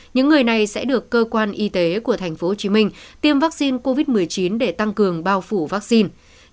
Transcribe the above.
những người này sẽ được cơ quan y tế của tp hcm tiêm vaccine covid một mươi chín để tăng cường bao phủ vaccine